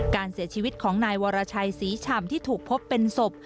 การเสียชีวิตของนายวรชัยศรีฉ่ำที่ถูกพบเป็นศพ